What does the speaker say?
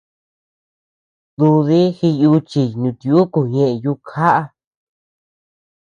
Dúdi jiyuchiy nutiukuu ñeʼe yukjaʼa.